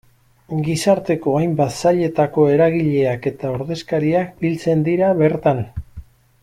Gizarteko hainbat sailetako eragileak eta ordezkariak biltzen dira bertan.